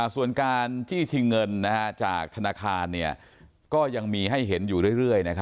ส่วนการจี้ชิงเงินจากธนาคารก็ยังมีให้เห็นอยู่เรื่อย